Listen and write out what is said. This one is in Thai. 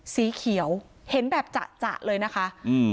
สีเขียวเห็นแบบจะเลยนะคะอืม